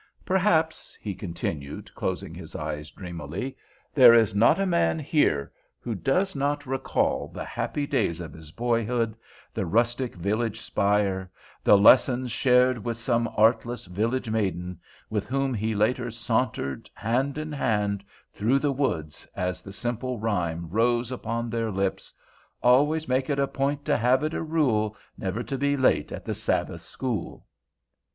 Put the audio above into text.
Perhaps," he continued, closing his eyes dreamily, "there is not a man here who does not recall the happy days of his boyhood, the rustic village spire, the lessons shared with some artless village maiden, with whom he later sauntered, hand in hand, through the woods, as the simple rhyme rose upon their lips, Always make it a point to have it a rule Never to be late at the Sabbath school.